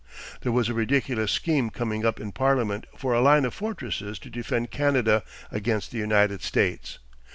There was a ridiculous scheme coming up in Parliament for a line of fortresses to defend Canada against the United States.